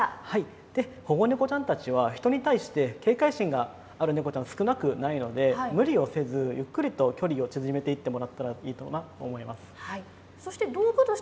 保護猫ちゃんたちは人に対して、警戒心がある猫ちゃん少なくないので、無理をせずゆっくりと距離を縮めていってもらったらいいと思います。